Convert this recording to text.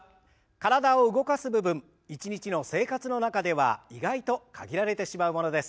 体を動かす部分一日の生活の中では意外と限られてしまうものです。